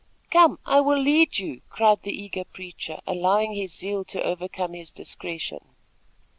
"Come! I will lead you!" cried the eager preacher, allowing his zeal to overcome his discretion.